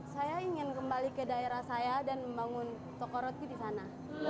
saya ingin kembali ke daerah saya dan membangun toko roti di sana